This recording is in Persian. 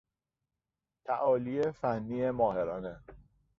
تعالی فنی ماهرانه